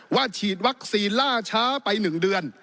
ฉีดวัคซีนล่าช้าไป๑เดือน